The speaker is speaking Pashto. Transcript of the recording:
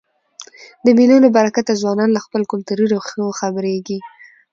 د مېلو له برکته ځوانان له خپلو کلتوري ریښو خبريږي.